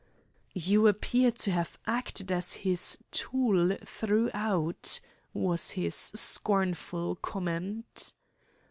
"You appear to have acted as his tool throughout," was his scornful comment.